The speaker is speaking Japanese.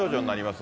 す